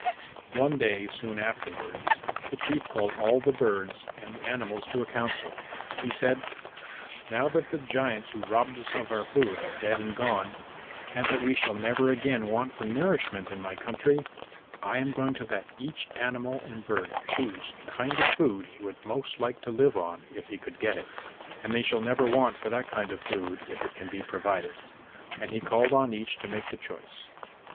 One day soon afterwards the Chief called all the birds and the animals to a council, and he said, "Now that the giants who robbed us of our food are dead and gone, and that we shall never again want for nourishment in my country, I am going to let each animal and bird choose the kind of food he would most like to live on if he could get it. And they shall never want for that kind of food if it can be provided." And he called on each to make the choice.